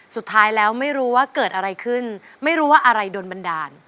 สุดท้ายแล้วไม่รู้ว่าเกิดอะไรขึ้นไม่รู้ว่าอะไรโดนบันดาล